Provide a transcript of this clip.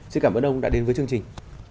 xin cảm ơn ông đã đến với chương trình